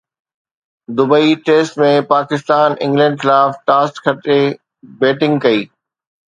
Dubai test ۾ Pakistan England خلاف toss کٽي batting ڪئي